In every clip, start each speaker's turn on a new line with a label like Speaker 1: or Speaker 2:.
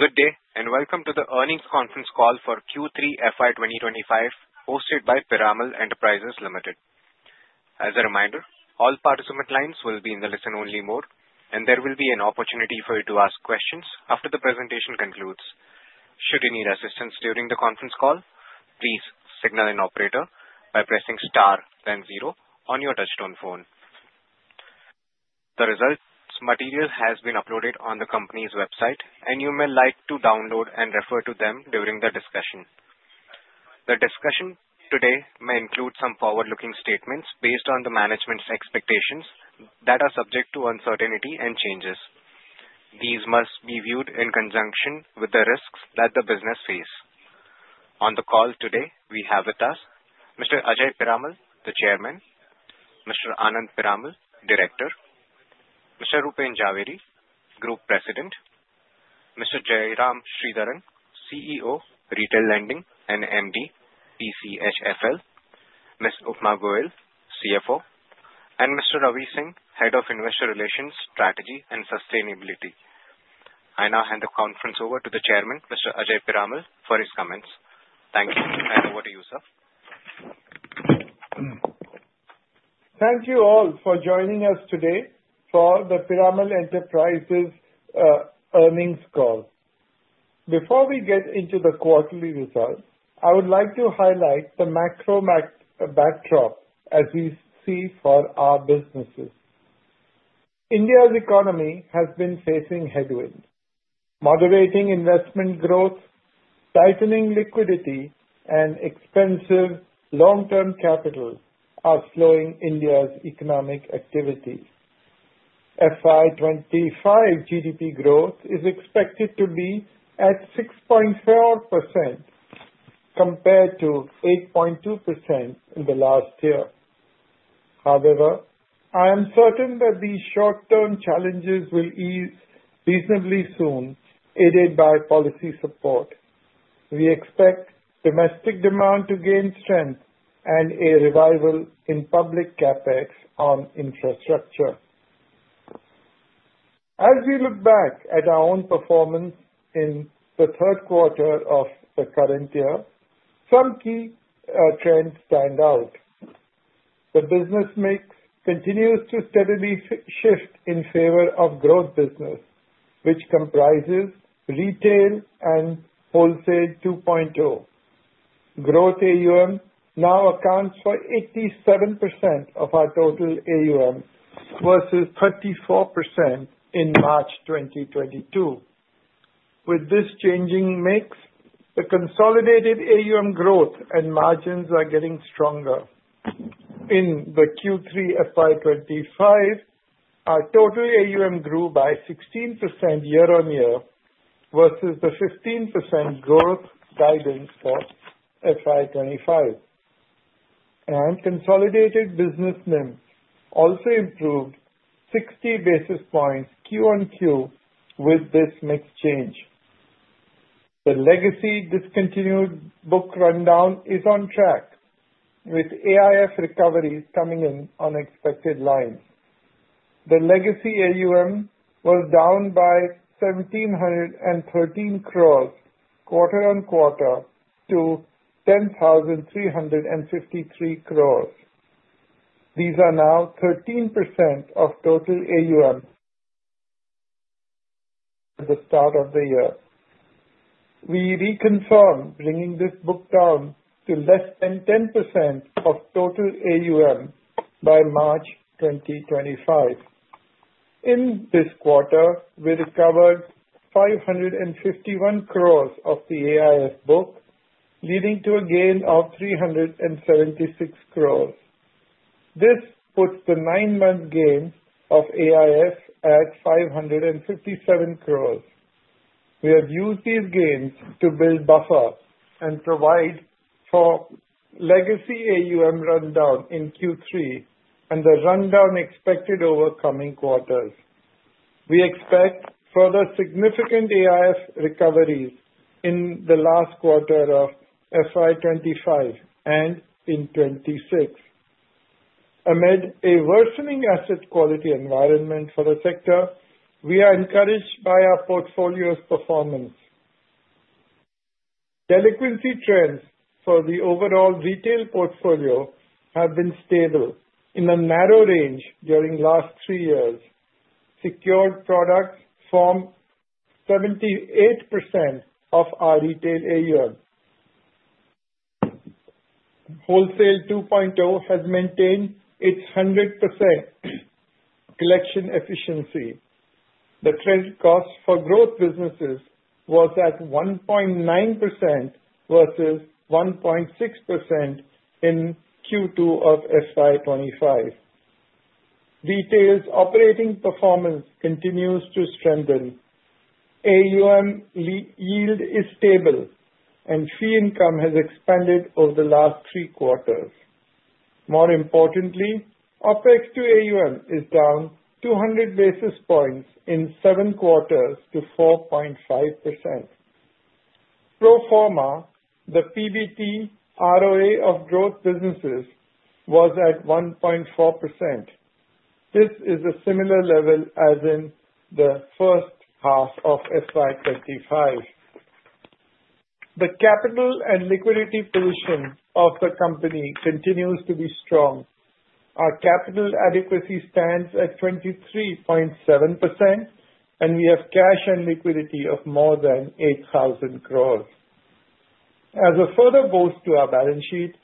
Speaker 1: Good day, and welcome to the earnings conference call for Q3 FY 2025, hosted by Piramal Enterprises Limited. As a reminder, all participant lines will be in the listen-only mode, and there will be an opportunity for you to ask questions after the presentation concludes. Should you need assistance during the conference call, please signal an operator by pressing star, then zero, on your touch-tone phone. The results material has been uploaded on the company's website, and you may like to download and refer to them during the discussion. The discussion today may include some forward-looking statements based on the management's expectations that are subject to uncertainty and changes. These must be viewed in conjunction with the risks that the business face. On the call today, we have with us Mr. Ajay Piramal, the Chairman, Mr. Anand Piramal, Director, Mr. Rupen Jhaveri, Group President, Mr. Jairam Sridharan, CEO, Retail Lending and MD, PCHFL, Ms. Upma Goel, CFO, and Mr. Ravi Singh, Head of Investor Relations, Strategy, and Sustainability. I now hand the conference over to the Chairman, Mr. Ajay Piramal, for his comments. Thank you, and over to you, sir.
Speaker 2: Thank you all for joining us today for the Piramal Enterprises earnings call. Before we get into the quarterly results, I would like to highlight the macro backdrop as we see for our businesses. India's economy has been facing headwinds. Moderating investment growth, tightening liquidity, and expensive long-term capital are slowing India's economic activity. FY 2025 GDP growth is expected to be at 6.4% compared to 8.2% in the last year. However, I am certain that these short-term challenges will ease reasonably soon, aided by policy support. We expect domestic demand to gain strength and a revival in public CapEx on infrastructure. As we look back at our own performance in the third quarter of the current year, some key trends stand out. The business mix continues to steadily shift in favor of growth business, which comprises retail and Wholesale 2.0. Growth AUM now accounts for 87% of our total AUM versus 34% in March 2022. With this changing mix, the consolidated AUM growth and margins are getting stronger. In the Q3 FY 2025, our total AUM grew by 16% year-on-year versus the 15% growth guidance for FY 2025, and consolidated business NIMs also improved 60 basis points Q-on-Q with this mix change. The legacy discontinued book rundown is on track, with AIF recovery coming in on expected lines. The legacy AUM was down by 1,713 crores quarter-on-quarter to 10,353 crores. These are now 13% of total AUM at the start of the year. We reconfirmed bringing this book down to less than 10% of total AUM by March 2025. In this quarter, we recovered 551 crores of the AIF book, leading to a gain of 376 crores. This puts the nine-month gains of AIF at 557 crores. We have used these gains to build buffer and provide for legacy AUM rundown in Q3 and the rundown expected over coming quarters. We expect further significant AIF recoveries in the last quarter of FY 2025 and in 2026. Amid a worsening asset quality environment for the sector, we are encouraged by our portfolio's performance. Delinquency trends for the overall retail portfolio have been stable in a narrow range during the last three years. Secured products form 78% of our retail AUM. Wholesale 2.0 has maintained its 100% collection efficiency. The credit cost for growth businesses was at 1.9% versus 1.6% in Q2 of FY 2025. Retail's operating performance continues to strengthen. AUM yield is stable, and fee income has expanded over the last three quarters. More importantly, OPEX to AUM is down 200 basis points in seven quarters to 4.5%. Pro forma, the PBT ROA of growth businesses, was at 1.4%. This is a similar level as in the first half of FY 2025. The capital and liquidity position of the company continues to be strong. Our capital adequacy stands at 23.7%, and we have cash and liquidity of more than 8,000 crores. As a further boost to our balance sheet,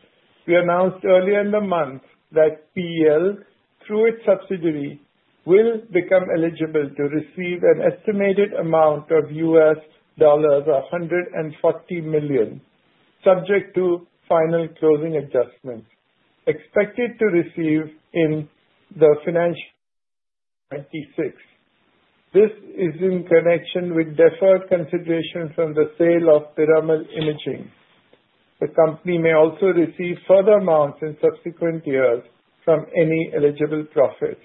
Speaker 2: we announced earlier in the month that PEL, through its subsidiary, will become eligible to receive an estimated amount of $140 million, subject to final closing adjustments, expected to receive in the financial year 2026. This is in connection with deferred consideration from the sale of Piramal Imaging. The company may also receive further amounts in subsequent years from any eligible profits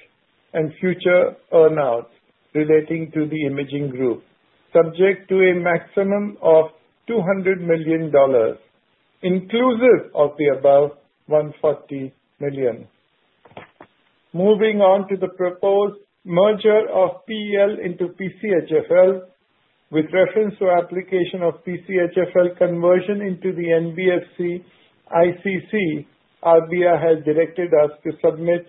Speaker 2: and future earnouts relating to Piramal Imaging, subject to a maximum of $200 million inclusive of the above $140 million. Moving on to the proposed merger of PEL into PCHFL, with reference to application of PCHFL conversion into the NBFC ICC, RBI has directed us to submit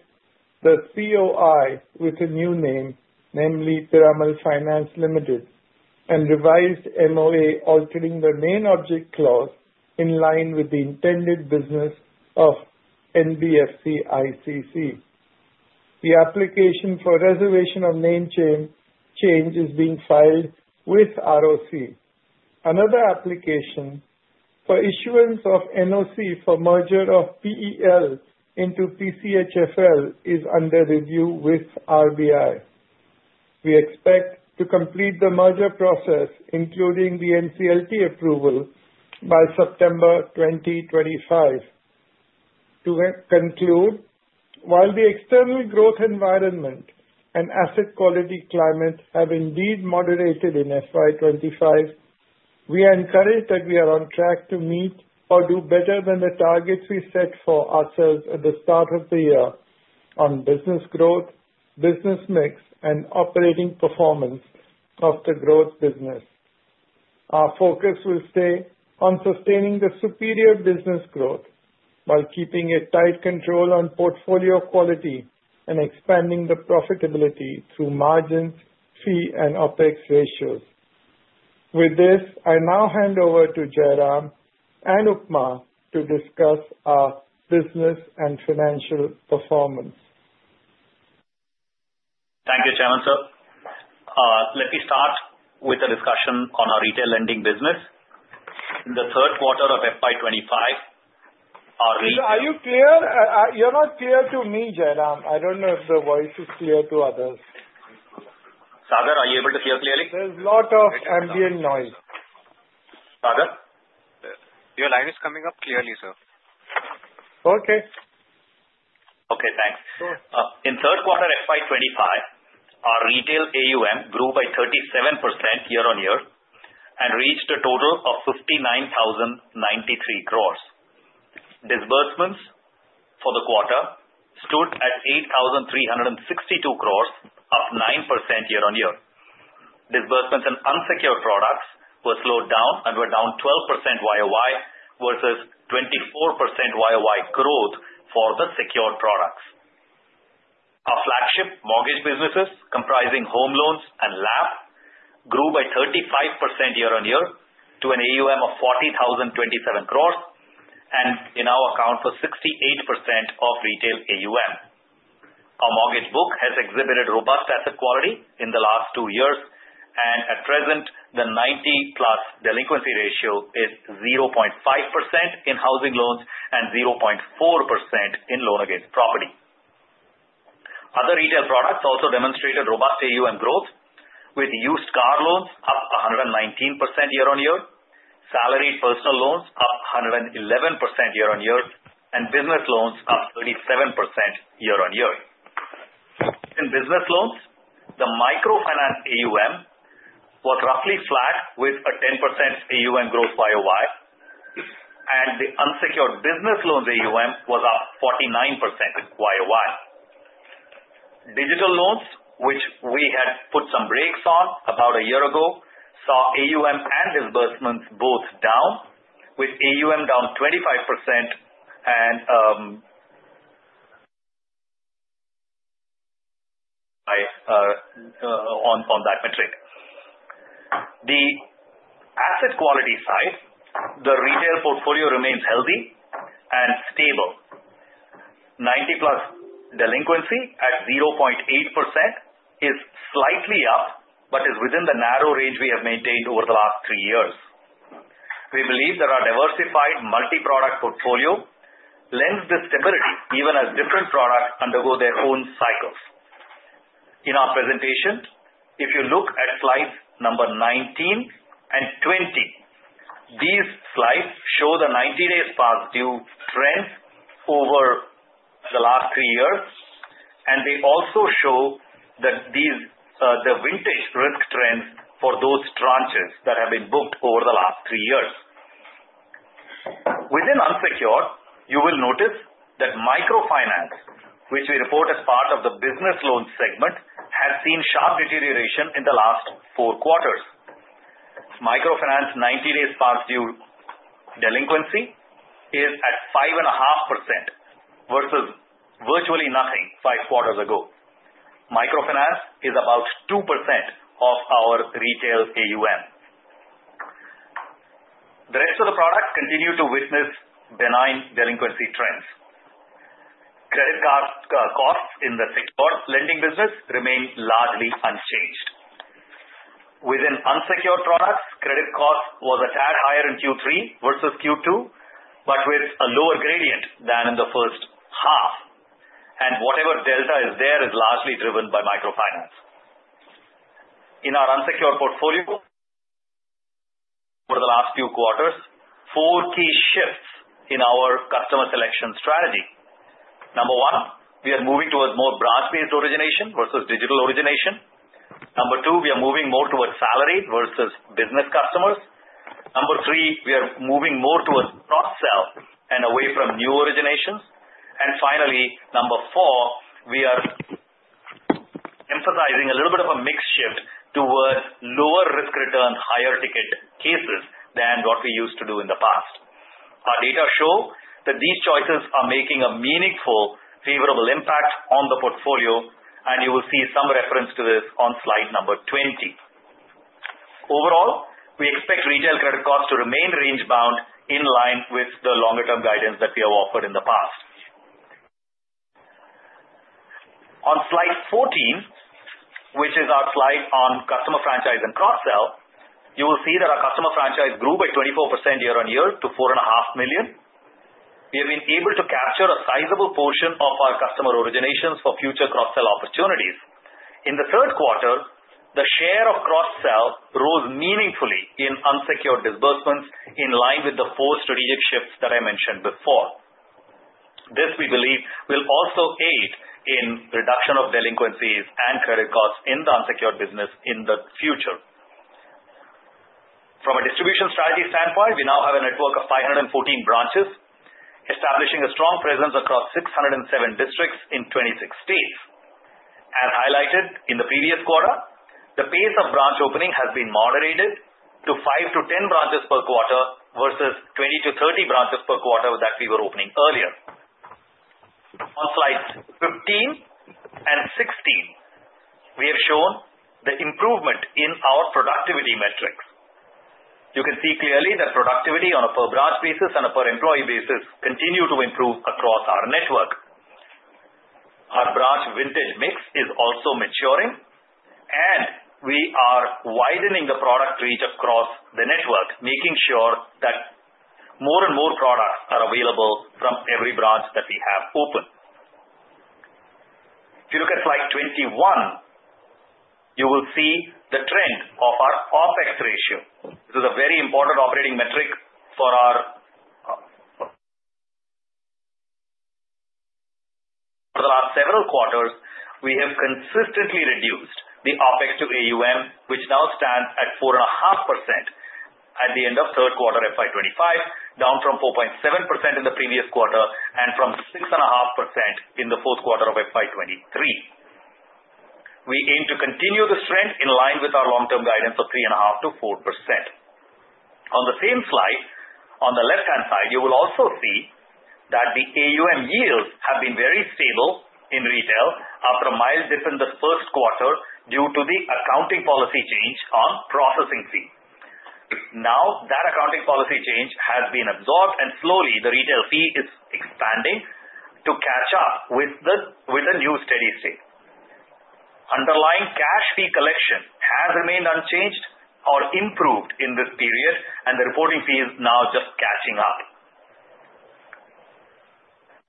Speaker 2: the COI with a new name, namely Piramal Finance Limited, and revised MOA, altering the main object clause in line with the intended business of NBFC ICC. The application for reservation of name change is being filed with ROC. Another application for issuance of NOC for merger of PEL into PCHFL is under review with RBI. We expect to complete the merger process, including the NCLT approval, by September 2025. To conclude, while the external growth environment and asset quality climate have indeed moderated in FY 2025, we are encouraged that we are on track to meet or do better than the targets we set for ourselves at the start of the year on business growth, business mix, and operating performance of the growth business. Our focus will stay on sustaining the superior business growth while keeping a tight control on portfolio quality and expanding the profitability through margins, fee, and OPEX ratios. With this, I now hand over to Jairam and Upma to discuss our business and financial performance.
Speaker 3: Thank you, Chairman. Let me start with the discussion on our retail lending business. In the third quarter of FY 2025,
Speaker 2: Sir, are you clear? You're not clear to me, Jairam. I don't know if the voice is clear to others.
Speaker 3: Sagar, are you able to hear clearly?
Speaker 2: There's a lot of ambient noise.
Speaker 3: Sagar?
Speaker 1: Your line is coming up clearly, sir.
Speaker 2: Okay.
Speaker 3: Okay, thanks. In third quarter FY 2025, our retail AUM grew by 37% year-on-year and reached a total of 59,093 crores. Disbursements for the quarter stood at 8,362 crores, up 9% year-on-year. Disbursements and unsecured products were slowed down and were down 12% YoY versus 24% YoY growth for the secured products. Our flagship mortgage businesses, comprising home loans and LAP, grew by 35% year-on-year to an AUM of 40,027 crores and now account for 68% of retail AUM. Our mortgage book has exhibited robust asset quality in the last two years, and at present, the 90+ delinquency ratio is 0.5% in housing loans and 0.4% in loan against property. Other retail products also demonstrated robust AUM growth, with used car loans up 119% year-on-year, salaried personal loans up 111% year-on-year, and business loans up 37% year-on-year. In business loans, the microfinance AUM was roughly flat, with a 10% AUM growth YoY, and the unsecured business loans AUM was up 49% YoY. Digital loans, which we had put some brakes on about a year ago, saw AUM and disbursements both down, with AUM down 25% on that metric. The asset quality side, the retail portfolio remains healthy and stable. 90+ delinquency at 0.8% is slightly up but is within the narrow range we have maintained over the last three years. We believe that our diversified multi-product portfolio lends the stability, even as different products undergo their own cycles. In our presentation, if you look at slides number 19 and 20, these slides show the 90-day past due trends over the last three years, and they also show the vintage risk trends for those tranches that have been booked over the last three years. Within unsecured, you will notice that microfinance, which we report as part of the business loan segment, has seen sharp deterioration in the last four quarters. Microfinance 90-day past due delinquency is at 5.5% versus virtually nothing five quarters ago. Microfinance is about 2% of our retail AUM. The rest of the products continue to witness benign delinquency trends. Credit costs in the secured lending business remain largely unchanged. Within unsecured products, credit cost was a tad higher in Q3 versus Q2, but with a lower gradient than in the first half and whatever delta is there is largely driven by microfinance. In our unsecured portfolio over the last few quarters, four key shifts in our customer selection strategy. Number one, we are moving towards more branch-based origination versus digital origination. Number two, we are moving more towards salaried versus business customers. Number three, we are moving more towards cross-sell and away from new originations. And finally, number four, we are emphasizing a little bit of a mixed shift towards lower risk-return, higher ticket cases than what we used to do in the past. Our data show that these choices are making a meaningful, favorable impact on the portfolio, and you will see some reference to this on slide number 20. Overall, we expect retail credit costs to remain range-bound in line with the longer-term guidance that we have offered in the past. On slide 14, which is our slide on customer franchise and cross-sell, you will see that our customer franchise grew by 24% year-on-year to 4.5 million. We have been able to capture a sizable portion of our customer originations for future cross-sell opportunities. In the third quarter, the share of cross-sell rose meaningfully in unsecured disbursements in line with the four strategic shifts that I mentioned before. This, we believe, will also aid in reduction of delinquencies and credit costs in the unsecured business in the future. From a distribution strategy standpoint, we now have a network of 514 branches, establishing a strong presence across 607 districts in 26 states. As highlighted in the previous quarter, the pace of branch opening has been moderated to five to 10 branches per quarter versus 20 to 30 branches per quarter that we were opening earlier. On slides 15 and 16, we have shown the improvement in our productivity metrics. You can see clearly that productivity on a per-branch basis and a per-employee basis continues to improve across our network. Our branch vintage mix is also maturing, and we are widening the product reach across the network, making sure that more and more products are available from every branch that we have open. If you look at slide 21, you will see the trend of our OPEX ratio. This is a very important operating metric. For the last several quarters, we have consistently reduced the OPEX to AUM, which now stands at 4.5% at the end of third quarter FY 2025, down from 4.7% in the previous quarter and from 6.5% in the fourth quarter of FY 2023. We aim to continue the strength in line with our long-term guidance of 3.5%-4%. On the same slide, on the left-hand side, you will also see that the AUM yields have been very stable in retail after a mild dip in the first quarter due to the accounting policy change on processing fee. Now, that accounting policy change has been absorbed, and slowly, the retail fee is expanding to catch up with the new steady state. Underlying cash fee collection has remained unchanged or improved in this period, and the reporting fee is now just catching up.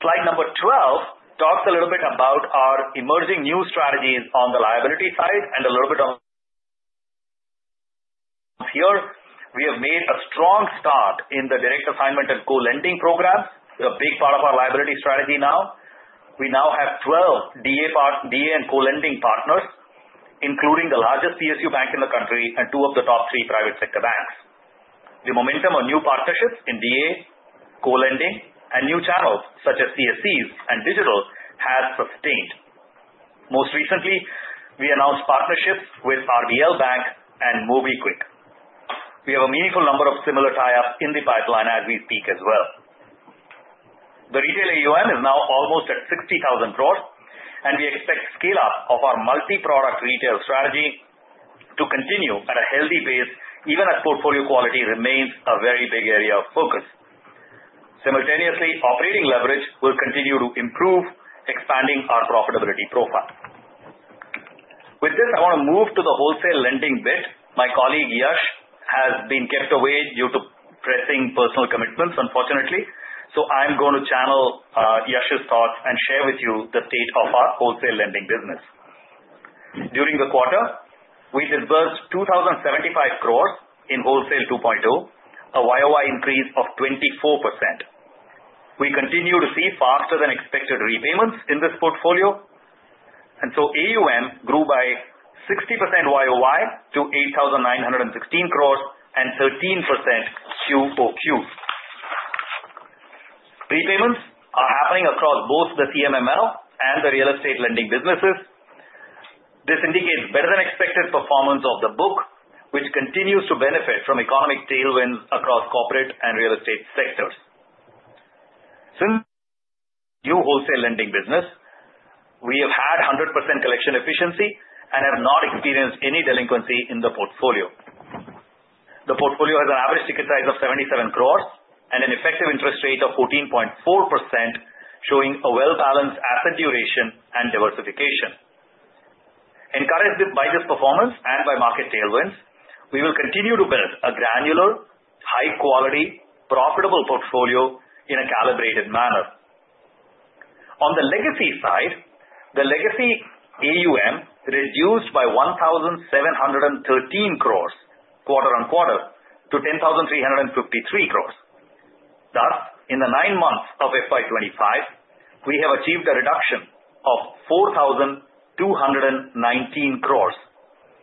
Speaker 3: Slide number 12 talks a little bit about our emerging new strategies on the liability side and a little bit on... Here, we have made a strong start in the direct assignment and co-lending programs. They're a big part of our liability strategy now. We now have 12 DA and co-lending partners, including the largest PSU bank in the country and two of the top three private sector banks. The momentum on new partnerships in DA, co-lending, and new channels such as CSCs and digital has sustained. Most recently, we announced partnerships with RBL Bank and MobiKwik. We have a meaningful number of similar tie-ups in the pipeline as we speak as well. The retail AUM is now almost at 60,000 crores, and we expect scale-up of our multi-product retail strategy to continue at a healthy pace, even as portfolio quality remains a very big area of focus. Simultaneously, operating leverage will continue to improve, expanding our profitability profile. With this, I want to move to the wholesale lending bit. My colleague Yash has been kept away due to pressing personal commitments, unfortunately, so I'm going to channel Yash's thoughts and share with you the state of our wholesale lending business. During the quarter, we disbursed 2,075 crores in Wholesale 2.0, a YoY increase of 24%. We continue to see faster-than-expected repayments in this portfolio, and so AUM grew by 60% YoY to 8,916 crores and 13% QoQ. Repayments are happening across both the CMM and the real estate lending businesses. This indicates better-than-expected performance of the book, which continues to benefit from economic tailwinds across corporate and real estate sectors. Since new wholesale lending business, we have had 100% collection efficiency and have not experienced any delinquency in the portfolio. The portfolio has an average ticket size of 77 crores and an effective interest rate of 14.4%, showing a well-balanced asset duration and diversification. Encouraged by this performance and by market tailwinds, we will continue to build a granular, high-quality, profitable portfolio in a calibrated manner. On the legacy side, the legacy AUM reduced by 1,713 crores quarter on quarter to 10,353 crores. Thus, in the nine months of FY 2025, we have achieved a reduction of 4,219 crores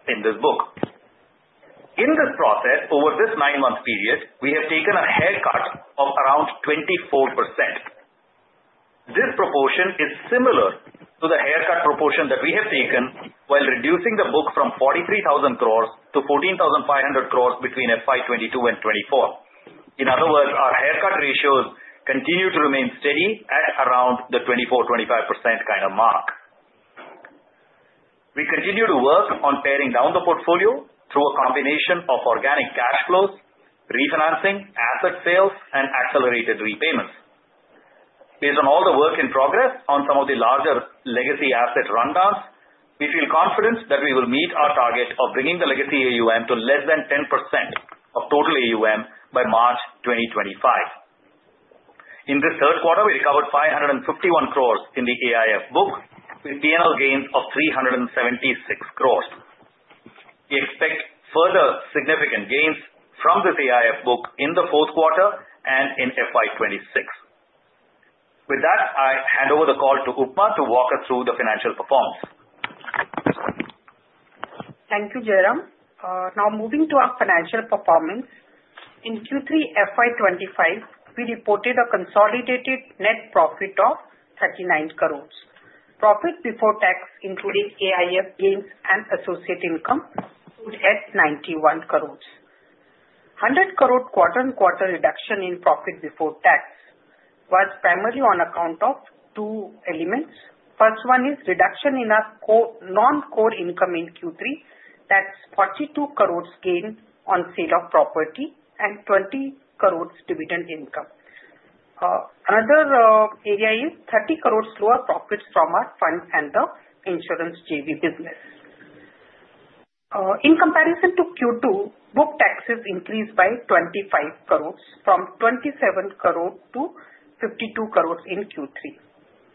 Speaker 3: in this book. In this process, over this nine-month period, we have taken a haircut of around 24%. This proportion is similar to the haircut proportion that we have taken while reducing the book from 43,000 crores to 14,500 crores between FY 2022 and 2024. In other words, our haircut ratios continue to remain steady at around the 24-25% kind of mark. We continue to work on paring down the portfolio through a combination of organic cash flows, refinancing, asset sales, and accelerated repayments. Based on all the work in progress on some of the larger legacy asset rundowns, we feel confident that we will meet our target of bringing the legacy AUM to less than 10% of total AUM by March 2025. In this third quarter, we recovered 551 crores in the AIF book, with P&L gains of 376 crores. We expect further significant gains from this AIF book in the fourth quarter and in FY 2026. With that, I hand over the call to Upma to walk us through the financial performance.
Speaker 4: Thank you, Jairam. Now, moving to our financial performance, in Q3 FY 2025, we reported a consolidated net profit of 39 crores. Profit before tax, including AIF gains and associate income, stood at 91 crores. 100-crore quarter-on-quarter reduction in profit before tax was primarily on account of two elements. First one is reduction in our non-core income in Q3. That's 42 crores gained on sale of property and 20 crores dividend income. Another area is 30 crores lower profits from our fund and the insurance JV business. In comparison to Q2, book taxes increased by 25 crores, from 27 crores to 52 crores in Q3.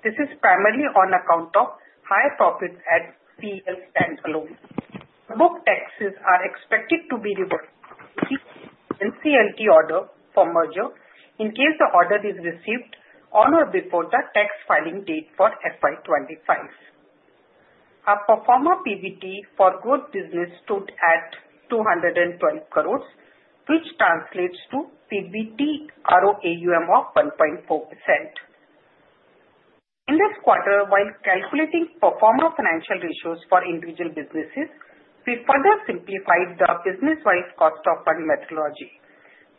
Speaker 4: This is primarily on account of higher profits at PEL standalone. Book taxes are expected to be reversed to the NCLT order for merger in case the order is received on or before the tax filing date for FY 2025. Our performing PBT for growth business stood at 212 crores, which translates to PBT ROA AUM of 1.4%. In this quarter, while calculating performing financial ratios for individual businesses, we further simplified the business-wise cost of fund methodology.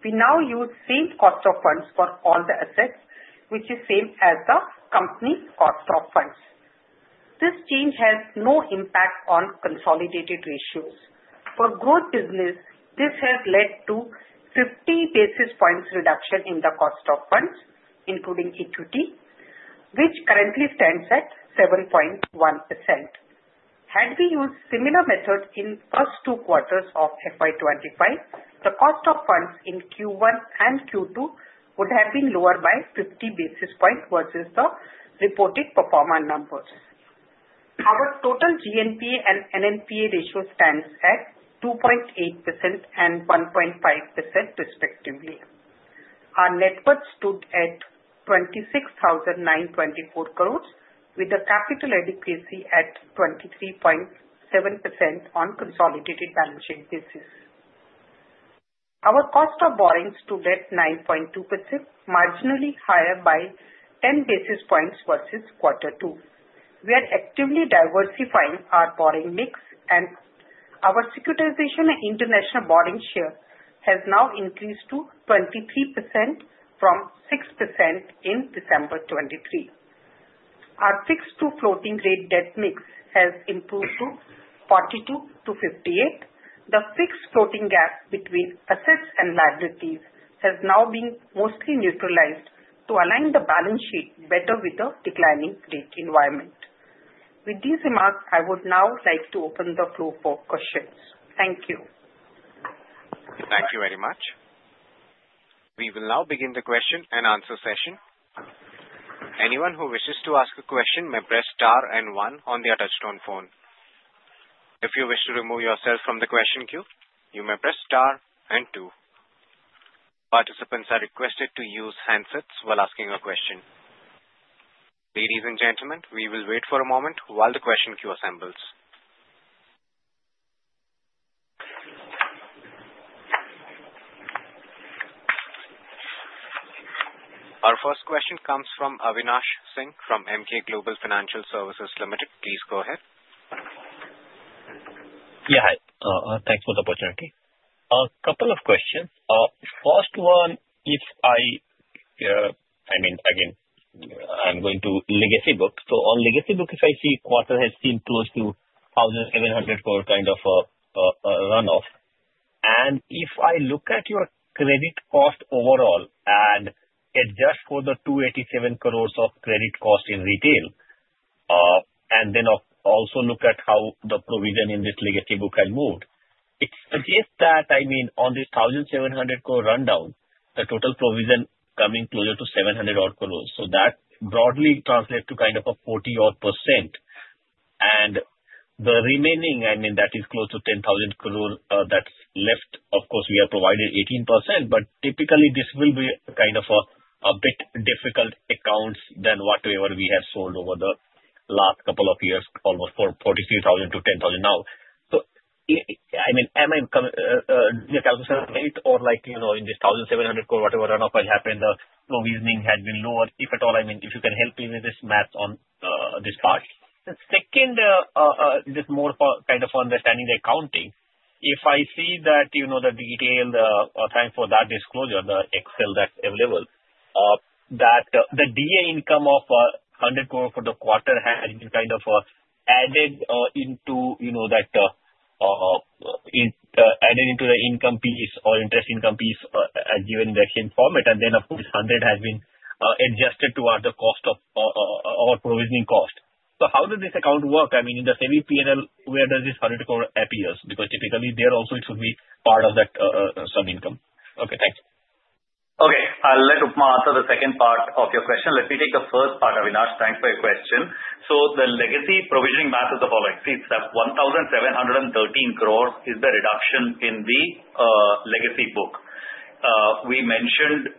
Speaker 4: We now use same cost of funds for all the assets, which is same as the company cost of funds. This change has no impact on consolidated ratios. For growth business, this has led to 50 basis points reduction in the cost of funds, including equity, which currently stands at 7.1%. Had we used similar methods in the first two quarters of FY 2025, the cost of funds in Q1 and Q2 would have been lower by 50 basis points versus the reported performer numbers. Our total GNPA and NNPA ratio stands at 2.8% and 1.5%, respectively. Our net worth stood at 26,924 crores, with a capital adequacy at 23.7% on consolidated balance sheet basis. Our cost of borrowing stood at 9.2%, marginally higher by 10 basis points versus quarter two. We are actively diversifying our borrowing mix, and our securitization and international borrowing share has now increased to 23% from 6% in December 2023. Our fixed to floating rate debt mix has improved to 42%-58%. The fixed floating gap between assets and liabilities has now been mostly neutralized to align the balance sheet better with the declining rate environment. With these remarks, I would now like to open the floor for questions. Thank you.
Speaker 1: Thank you very much. We will now begin the question and answer session. Anyone who wishes to ask a question may press star and one on the touch-tone phone. If you wish to remove yourself from the question queue, you may press star and two. Participants are requested to use handsets while asking a question. Ladies and gentlemen, we will wait for a moment while the question queue assembles. Our first question comes from Avinash Singh from Emkay Global Financial Services Limited. Please go ahead.
Speaker 5: Yeah, thanks for the opportunity. A couple of questions. First one, if I mean, again, I'm going to legacy book. So on legacy book, if I see, quarter has seen close to 1,700 crore kind of runoff. And if I look at your credit cost overall and adjust for the 287 crores of credit cost in retail, and then also look at how the provision in this legacy book has moved, it suggests that, I mean, on this 1,700 crore rundown, the total provision is coming closer to 700 crores. So that broadly translates to kind of a 40-odd %. And the remaining, I mean, that is close to 10,000 crores that's left. Of course, we are provided 18%, but typically, this will be kind of a bit difficult accounts than whatever we have sold over the last couple of years, almost 43,000 to 10,000 now. So I mean, am I - can you calculate or like in this 1,700 crore whatever runoff has happened, the provisioning has been lower? If at all, I mean, if you can help me with this math on this part. The second, just more kind of understanding the accounting. If I see that the detail, thanks for that disclosure, the Excel that's available, that the DA income of 100 crores for the quarter has been kind of added into that, added into the income piece or interest income piece as given in the same format. And then, of course, 100 crores has been adjusted to our provisioning cost. So how does this account work? I mean, in the same P&L, where does this INR 100 crore appear? Because typically, there also, it should be part of that some income. Okay, thanks.
Speaker 3: Okay, I'll let Upma answer the second part of your question. Let me take the first part, Avinash. Thanks for your question. So the legacy provisioning math is the following. See, it's 1,713 crores is the reduction in the legacy book. We mentioned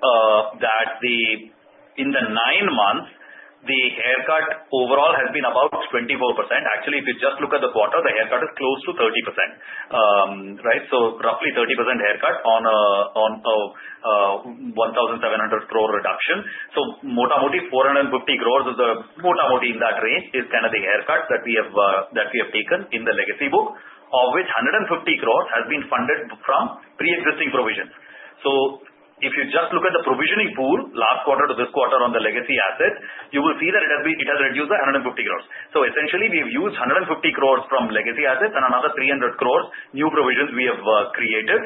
Speaker 3: that in the nine months, the haircut overall has been about 24%. Actually, if you just look at the quarter, the haircut is close to 30%, right? Roughly 30% haircut on a 1,700 crore reduction. Mota mota, 450 crores is the mota mota in that range is kind of the haircut that we have taken in the legacy book, of which 150 crores has been funded from pre-existing provisions. If you just look at the provisioning pool last quarter to this quarter on the legacy assets, you will see that it has reduced by 150 crores. Essentially, we have used 150 crores from legacy assets and another 300 crores new provisions we have created.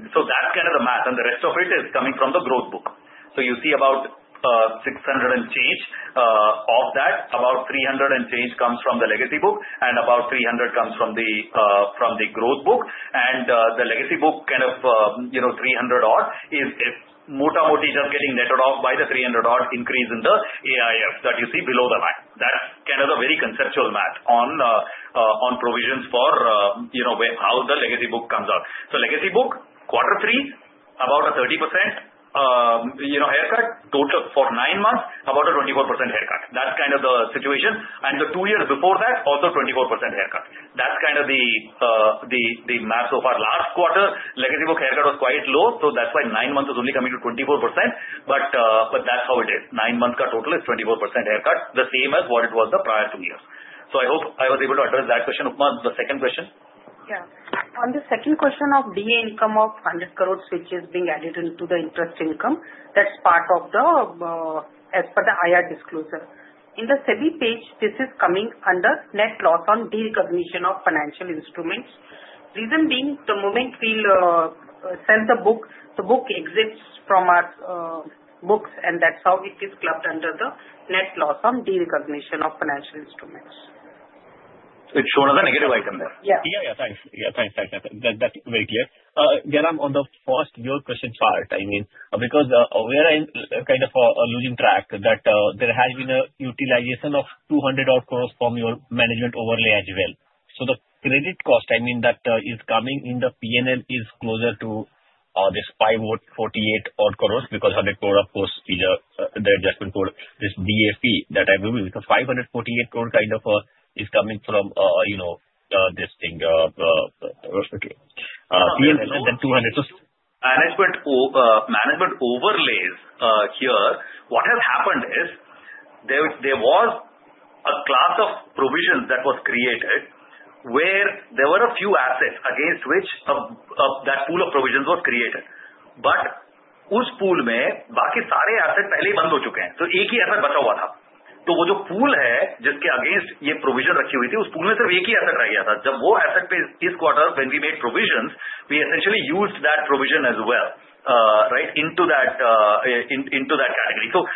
Speaker 3: That's kind of the math, and the rest of it is coming from the growth book. So you see about 600 crores and change of that, about 300 crores and change comes from the legacy book, and about 300 comes from the growth book. And the legacy book kind of 300 odd crores is more or less just getting netted off by the 300 odd crores increase in the AIF that you see below the line. That's kind of the very conceptual math on provisions for how the legacy book comes out. So legacy book, quarter three, about a 30% haircut. Total for nine months, about a 24% haircut. That's kind of the situation. And the two years before that, also 24% haircut. That's kind of the math so far. Last quarter, legacy book haircut was quite low. So that's why nine months is only coming to 24%. But that's how it is. Nine months' total is 24% haircut, the same as what it was the prior two years. So I hope I was able to address that question. Upma, the second question?
Speaker 4: Yeah. On the second question of DA income of 100 crores, which is being added into the interest income, that's part of the as per the IR disclosure. In the same page, this is coming under net loss on derecognition of financial instruments. Reason being, the moment we sell the book, the book exits from our books, and that's how it is clubbed under the net loss on derecognition of financial instruments.
Speaker 3: It shows another negative item there.
Speaker 5: Yeah. Thanks. That's very clear. Jairam, on the first, your question part, I mean, because where I'm kind of losing track, that there has been a utilization of 200-odd crores from your management overlay as well. So the credit cost, I mean, that is coming in the P&L is closer to this 548 odd crores because 100 crore, of course, the adjustment for this DA fee that I'm doing. The 548 crore kind of is coming from this thing. P&L and then 200 crore.
Speaker 3: So management overlays here. What has happened is there was a class of provisions that was created where there were a few assets against which that pool of provisions was created. But उस pool में बाकी सारे assets पहले ही बंद हो चुके हैं. तो एक ही asset बचा हुआ था. तो वो जो pool है जिसके against ये provision रखी हुई थी, उस pool में सिर्फ एक ही asset रह गया था. जब वो asset पे इस quarter, when we made provisions, we essentially used that provision as well, right, into that category. So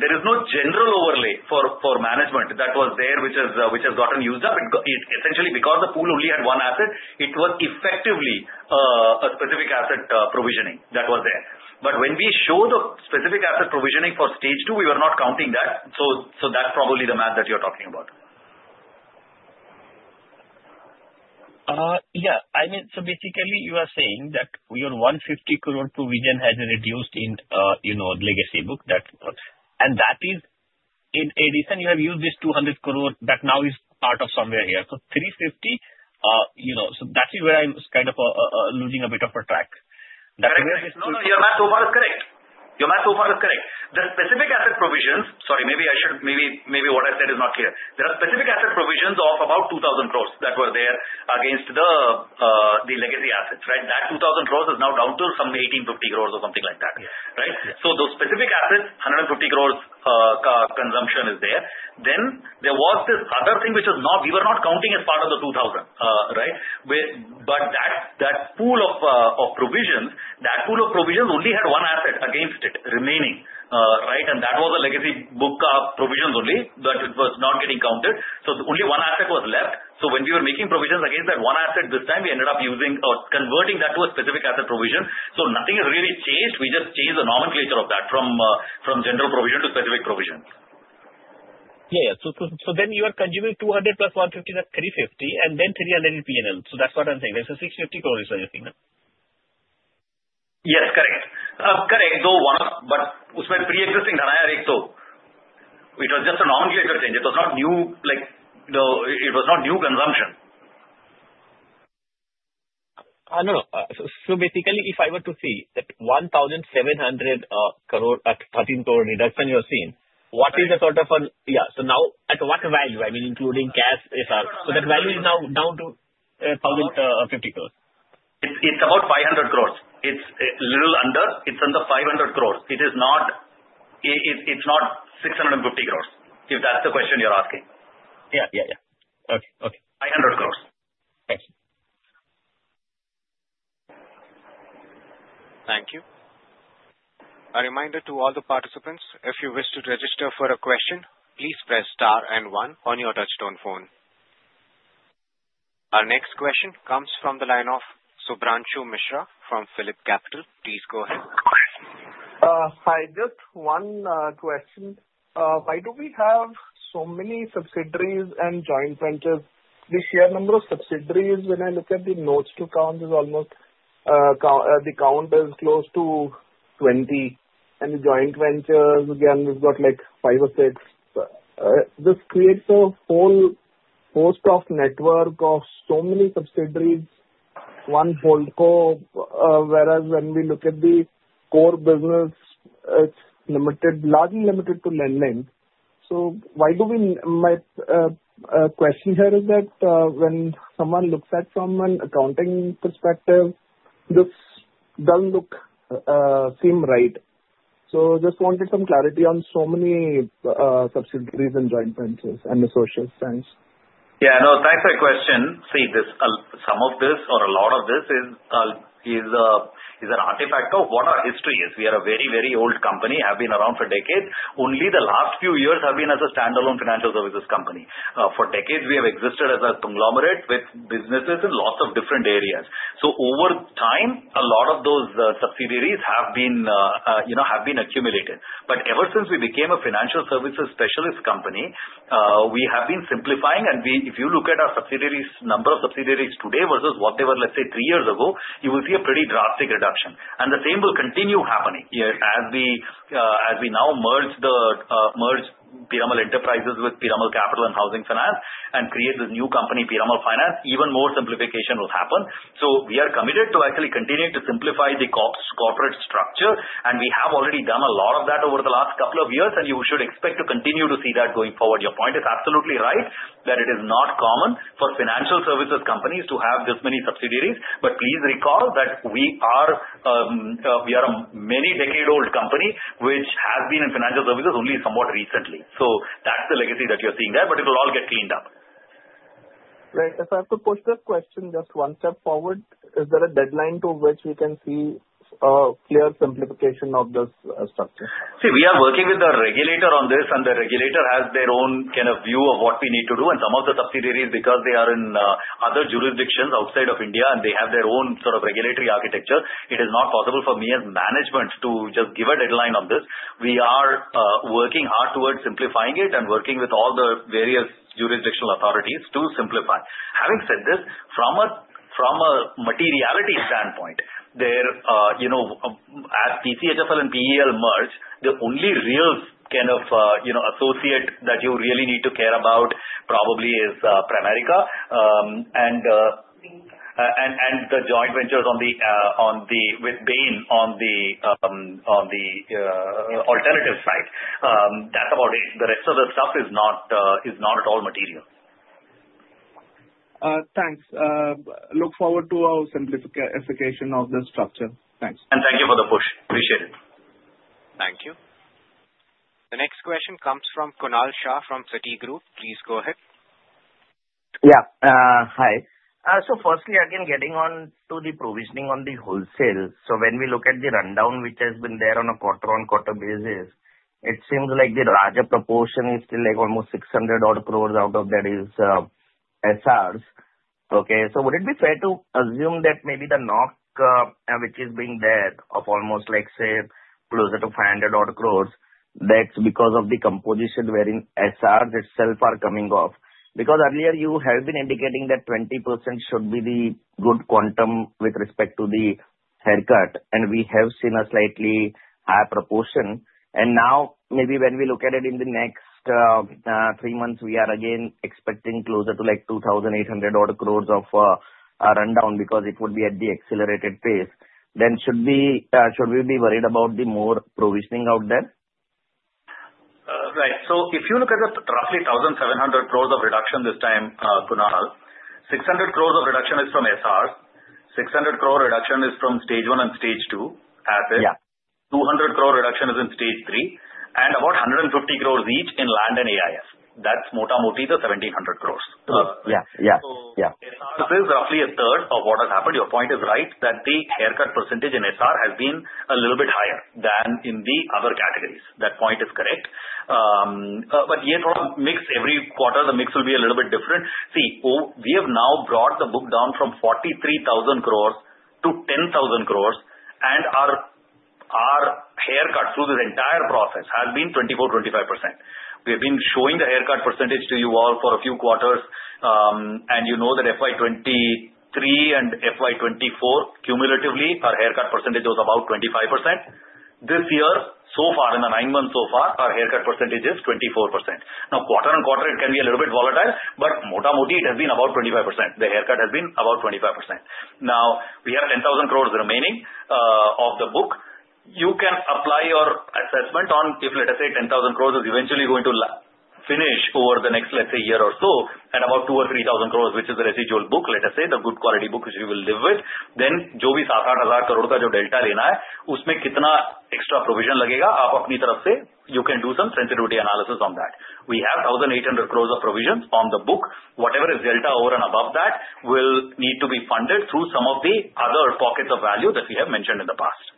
Speaker 3: there is no general overlay for management that was there which has gotten used up. Essentially, because the pool only had one asset, it was effectively a specific asset provisioning that was there. But when we show the specific asset provisioning for stage two, we were not counting that. So that's probably the math that you're talking about.
Speaker 5: Yeah. I mean, so basically, you are saying that your 150 crore provision has reduced in legacy book. And that is in addition, you have used this 200 crore that now is part of somewhere here. So 350 crore, so that's where I'm kind of losing a bit of a track. That's where this pool is.
Speaker 4: No, no, your math so far is correct. Your math so far is correct. The specific asset provisions, sorry, maybe what I said is not clear. There are specific asset provisions of about 2,000 crores that were there against the legacy assets, right? That 2,000 crores is now down to some 1,850 crores or something like that, right? So those specific assets, 150 crores consumption is there. Then there was this other thing which we were not counting as part of the 2,000 crores, right? But that pool of provisions, that pool of provisions only had one asset against it remaining, right? And that was a legacy book provisions only, but it was not getting counted. So only one asset was left. So when we were making provisions against that one asset this time, we ended up converting that to a specific asset provision. So nothing has really changed. We just changed the nomenclature of that from general provision to specific provision.
Speaker 5: Yeah, yeah. So then you are conjuring 200 crores plus 150 crores, that's 350 crores, and then 300 crores in P&L. So that's what I'm saying. There's a 650 crores is what you're saying.
Speaker 3: Yes, correct. Correct, though one of, but usmein pre-existing tha na ek to. It was just a nomenclature change. It was not new. It was not new consumption.
Speaker 5: So basically, if I were to see that 1,700 crore at 13 crore reduction you have seen, what is the sort of a. So now at what value, I mean, including cash, if so that value is now down to 1,050 crores?
Speaker 3: It's about 500 crores. It's a little under. It's under 500 crores. It is not 650 crores, if that's the question you're asking.
Speaker 5: Yeah, yeah, yeah.
Speaker 3: Okay, okay.
Speaker 5: 500 crores. Thanks.
Speaker 1: Thank you. A reminder to all the participants, if you wish to register for a question, please press star and one on your touch-tone phone. Our next question comes from the line of Shubhranshu Mishra from Phillip Capital. Please go ahead.
Speaker 6: Hi, just one question. Why do we have so many subsidiaries and joint ventures? The sheer number of subsidiaries, when I look at the notes to accounts, the count is close to 20. And the joint ventures, again, we've got like five or six. This creates a whole host of network of so many subsidiaries, one whole core. Whereas when we look at the core business, it's limited, largely limited to lending. So why do we, my question here is that when someone looks at it from an accounting perspective, this doesn't seem right. I just wanted some clarity on so many subsidiaries and joint ventures and associates, thanks.
Speaker 3: Yeah, no, thanks for the question. See, some of this or a lot of this is an artifact of what our history is. We are a very, very old company. I've been around for decades. Only the last few years have been as a standalone financial services company. For decades, we have existed as a conglomerate with businesses in lots of different areas. So over time, a lot of those subsidiaries have been accumulated. But ever since we became a financial services specialist company, we have been simplifying. If you look at our subsidiaries, number of subsidiaries today versus what they were, let's say, three years ago, you will see a pretty drastic reduction. The same will continue happening. As we now merge Piramal Enterprises with Piramal Capital and Housing Finance and create this new company, Piramal Finance, even more simplification will happen. So we are committed to actually continue to simplify the corporate structure. And we have already done a lot of that over the last couple of years, and you should expect to continue to see that going forward. Your point is absolutely right that it is not common for financial services companies to have this many subsidiaries. But please recall that we are a many-decade-old company which has been in financial services only somewhat recently. So that's the legacy that you're seeing there, but it will all get cleaned up.
Speaker 6: Right. If I have to push this question just one step forward, is there a deadline to which we can see a clear simplification of this structure?
Speaker 3: See, we are working with the regulator on this, and the regulator has their own kind of view of what we need to do. And some of the subsidiaries, because they are in other jurisdictions outside of India and they have their own sort of regulatory architecture, it is not possible for me as management to just give a deadline on this. We are working hard towards simplifying it and working with all the various jurisdictional authorities to simplify. Having said this, from a materiality standpoint, as PCHFL and PEL merge, the only real kind of associate that you really need to care about probably is Pramerica and the joint ventures with Bain on the alternative side. That's about it. The rest of the stuff is not at all material.
Speaker 6: Thanks. Look forward to our simplification of the structure. Thanks.
Speaker 3: And thank you for the push. Appreciate it.
Speaker 1: Thank you. The next question comes from Kunal Shah from Citigroup. Please go ahead.
Speaker 7: Yeah. Hi. So firstly, again, getting on to the provisioning on the wholesale. So when we look at the rundown which has been there on a quarter-on-quarter basis, it seems like the larger proportion is still like almost 600 crore out of that is SRs. Okay. So would it be fair to assume that maybe the knock which is being there of almost, say, closer to 500 crore, that's because of the composition wherein SRs itself are coming off? Because earlier, you have been indicating that 20% should be the good quantum with respect to the haircut, and we have seen a slightly higher proportion. Now, maybe when we look at it in the next three months, we are again expecting closer to like 2,800 odd crores of rundown because it would be at the accelerated pace. Then should we be worried about the more provisioning out there?
Speaker 3: Right. So if you look at the roughly 1,700 crores of reduction this time, Kunal, 600 crores of reduction is from SRs. 600 crore reduction is in stage one and stage two assets. 200 crore reduction is in stage three. And about 150 crores each in land and AIF. That's mota mota the 1,700 crores. So SRs is roughly a third of what has happened. Your point is right that the haircut percentage in SR has been a little bit higher than in the other categories. That point is correct. But yeah, mix every quarter, the mix will be a little bit different. See, we have now brought the book down from 43,000 crores to 10,000 crores, and our haircut through this entire process has been 24%-25%. We have been showing the haircut percentage to you all for a few quarters, and you know that FY 2023 and FY 2024 cumulatively, our haircut percentage was about 25%. This year, so far, in the nine months so far, our haircut percentage is 24%. Now, quarter on quarter, it can be a little bit volatile, but mota-mota, it has been about 25%. The haircut has been about 25%. Now, we have 10,000 crores remaining of the book. You can apply your assessment on if, let us say, 10,000 crores is eventually going to finish over the next, let's say, year or so at about 2,000 or 3,000 crores, which is the residual book, let us say, the good quality book which we will live with. Then जो भी 7,000 crores to INR 8,000 crores का जो delta लेना है, उसमें कितना extra provision लगेगा, आप अपनी तरफ से, you can do some sensitivity analysis on that. We have 1,800 crores of provision on the book. Whatever is delta over and above that will need to be funded through some of the other pockets of value that we have mentioned in the past.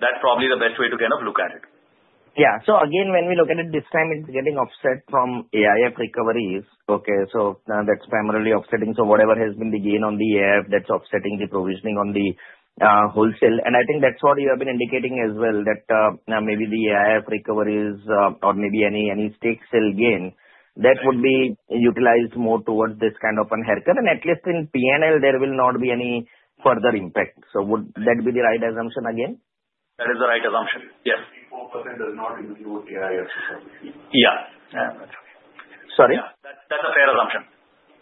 Speaker 3: That's probably the best way to kind of look at it.
Speaker 7: Yeah. So again, when we look at it this time, it's getting offset from AIF recoveries. Okay. So that's primarily offsetting. So whatever has been the gain on the AIF, that's offsetting the provisioning on the wholesale. And I think that's what you have been indicating as well, that maybe the AIF recoveries or maybe any stake sale gain that would be utilized more towards this kind of an haircut. And at least in P&L, there will not be any further impact. So would that be the right assumption again?
Speaker 3: That is the right assumption.
Speaker 2: Yes. 24% does not include AIF.
Speaker 3: Yeah.
Speaker 7: Sorry.
Speaker 3: That's a fair assumption.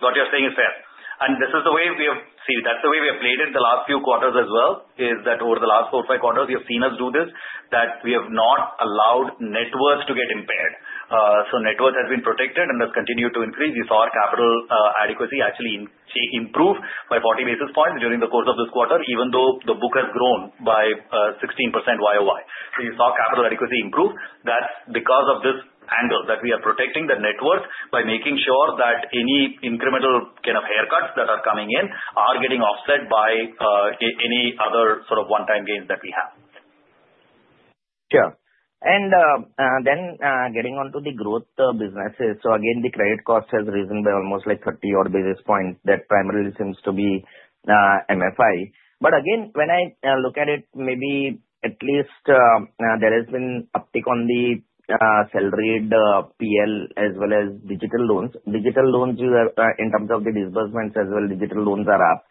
Speaker 3: What you're saying is fair. And this is the way we have seen. That's the way we have played it the last few quarters as well, is that over the last four or five quarters, you've seen us do this, that we have not allowed net worth to get impaired. So net worth has been protected and has continued to increase. You saw our capital adequacy actually improve by 40 basis points during the course of this quarter, even though the book has grown by 16% YoY. So you saw capital adequacy improve. That's because of this angle that we are protecting the net worth by making sure that any incremental kind of haircuts that are coming in are getting offset by any other sort of one-time gains that we have.
Speaker 7: Sure. And then getting on to the growth businesses. So again, the credit cost has risen by almost like 30 odd basis points. That primarily seems to be MFI. But again, when I look at it, maybe at least there has been uptick on the salaried PEL as well as digital loans. Digital loans, in terms of the disbursements as well, digital loans are up.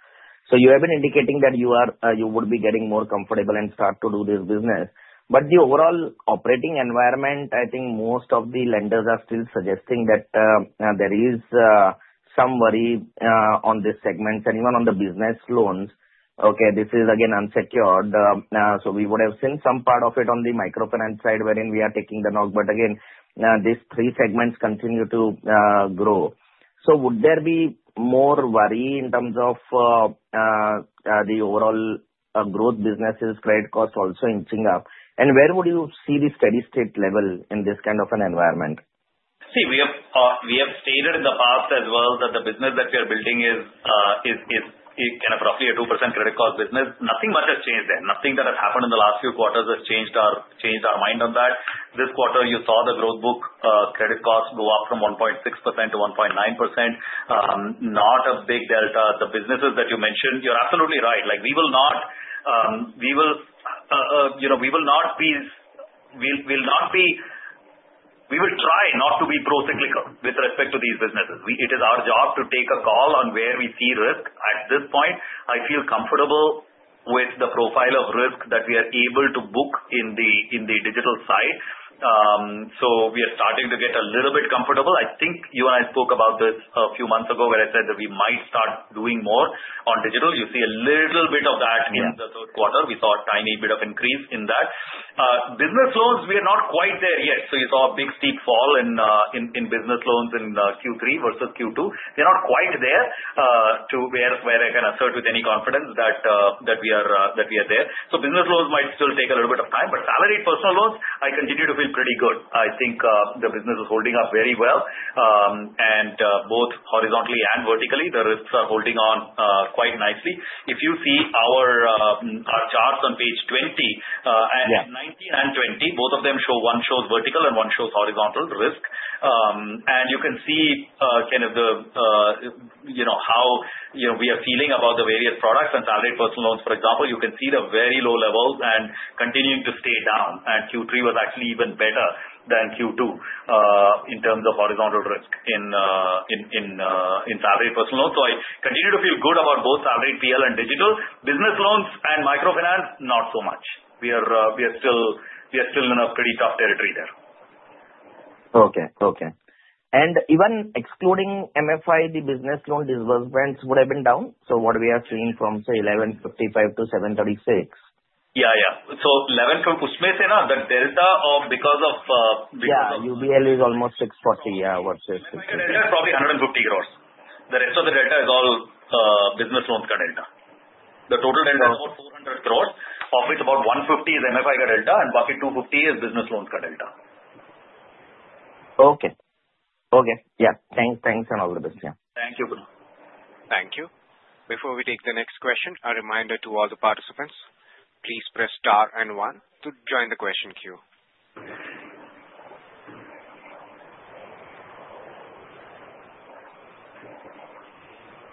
Speaker 7: You have been indicating that you would be getting more comfortable and start to do this business. But the overall operating environment, I think most of the lenders are still suggesting that there is some worry on this segment and even on the business loans. Okay, this is again unsecured. So we would have seen some part of it on the microfinance side wherein we are taking the knock. But again, these three segments continue to grow. So would there be more worry in terms of the overall growth businesses, credit cost also in Singapore? And where would you see the steady state level in this kind of an environment?
Speaker 3: See, we have stated in the past as well that the business that we are building is kind of roughly a 2% credit cost business. Nothing much has changed there. Nothing that has happened in the last few quarters has changed our mind on that. This quarter, you saw the growth book credit cost go up from 1.6% to 1.9%. Not a big delta. The businesses that you mentioned, you're absolutely right. We will not be. We will try not to be pro-cyclical with respect to these businesses. It is our job to take a call on where we see risk. At this point, I feel comfortable with the profile of risk that we are able to book in the digital side. So we are starting to get a little bit comfortable. I think you and I spoke about this a few months ago where I said that we might start doing more on digital. You see a little bit of that in the third quarter. We saw a tiny bit of increase in that. Business loans, we are not quite there yet. So you saw a big steep fall in business loans in Q3 versus Q2. They're not quite there to where I can assert with any confidence that we are there. So business loans might still take a little bit of time. But salaried personal loans, I continue to feel pretty good. I think the business is holding up very well. And both horizontally and vertically, the risks are holding on quite nicely. If you see our charts on page 20 and 19 and 20, both of them show, one shows vertical and one shows horizontal risk. And you can see kind of the how we are feeling about the various products and salaried personal loans, for example. You can see the very low levels and continuing to stay down. And Q3 was actually even better than Q2 in terms of vintage risk in salaried personal loans. So I continue to feel good about both salaried PEL and digital. Business loans and microfinance, not so much. We are still in a pretty tough territory there.
Speaker 7: Okay. Okay. And even excluding MFI, the business loan disbursements would have been down? So what we are seeing from, say, 1,155 crores to 736 crores?
Speaker 3: Yeah. Yeah. So 11 crores from us MFI se na, the delta of because of
Speaker 7: yeah UBL is almost 640 crores, yeah, versus INR 650 crores.
Speaker 3: Delta is probably 150 crores. The rest of the delta is all business loans' delta. The total delta is about 400 crores, of which about 150 crores is MFI delta and the bucket 250 crores is business loans' delta.
Speaker 7: Okay. Okay. Yeah. Thanks and all the best. Yeah.
Speaker 3: Thank you.
Speaker 1: Thank you. Before we take the next question, a reminder to all the participants, please press star and one to join the question queue.